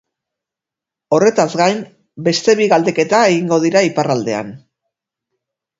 Horretaz gain, beste bi galdeketa egingo dira iparraldean.